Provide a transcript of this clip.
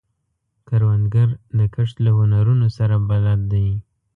کروندګر د کښت له هنرونو سره بلد دی